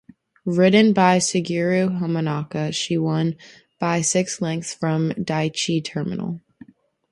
Ridden by Suguru Hamanaka she won by six lengths from Daiichi Terminal.